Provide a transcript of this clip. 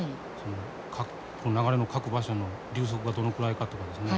流れの各場所の流速がどのくらいかとかですね